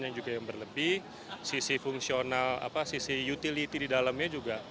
yang juga yang berlebih sisi fungsional sisi utility di dalamnya juga